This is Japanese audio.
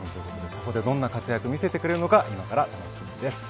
そこでどんな活躍を見せてくれるのか、今から楽しみです。